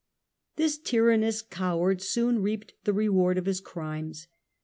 Gian Gale This tyrannous coward soon reaped the reward of 1402 his crimes.